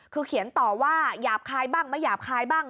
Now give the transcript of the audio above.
คือเขียนต่อว่าหยาบคายบ้างไม่หยาบคายบ้าง